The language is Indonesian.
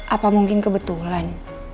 apa mungkin kebetulan